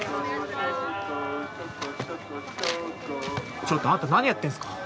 ちょっとあんた何やってんすか？